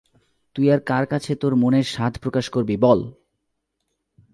তুই আর কার কাছে তাের মনের সাধ প্রকাশ করিবি বল্?